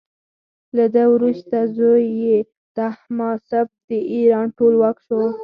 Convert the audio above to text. له ده وروسته زوی یې تهماسب د ایران ټولواک شو.